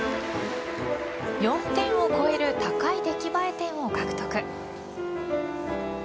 ４点を超える高い出来栄え点を獲得。